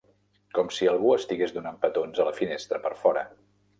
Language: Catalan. Com si algú estigués donant petons a la finestra per fora.